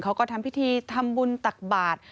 เขาก็ทำพิธีทำบุญตักบาท